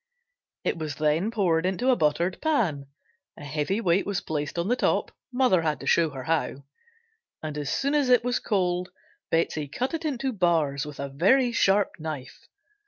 It was then poured into a buttered pan, a heavy weight placed on the top (mother had to show her how) and as soon as it was cold Betsey cut it into bars with a very sharp knife.